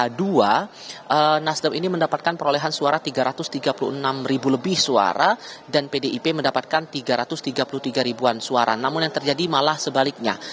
kedua nasdem ini mendapatkan perolehan suara tiga ratus tiga puluh enam ribu lebih suara dan pdip mendapatkan tiga ratus tiga puluh tiga ribuan suara namun yang terjadi malah sebaliknya